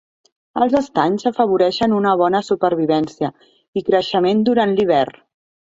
Els estanys afavoreixen una bona supervivència i creixement durant l'hivern.